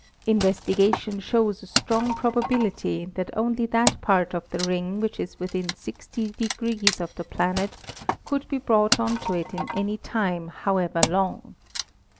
Investigation shows a strong probability that only that part of the ring which is within 6o° of the planet could be brought on to it in any time however long.